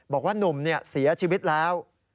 บอกว่านุ่มเสียชีวิตแล้ว